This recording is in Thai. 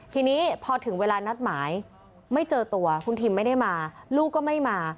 ทีนี้พอถึงเวลานัดหมายไม่เจอตัวคุณทิมไม่ได้มาลูกก็ไม่มา